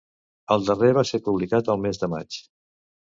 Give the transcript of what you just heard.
El darrer va ser publicat al mes de maig.